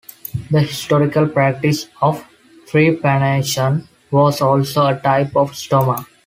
The historical practice of trepanation was also a type of stoma.